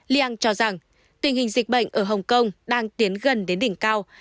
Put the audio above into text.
liang cho rằng tình hình dịch bệnh ở hồng kông đang tiến gần đến đỉnh cao